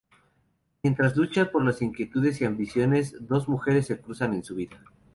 Mientras lucha por sus inquietudes y ambiciones, dos mujeres se cruzan en su vida.